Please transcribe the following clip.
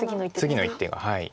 次の一手がはい。